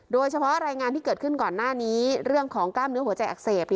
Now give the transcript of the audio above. โดยเฉพาะรายงานที่เกิดขึ้นก่อนหน้านี้เรื่องของกล้ามเนื้อหัวใจอักเสบ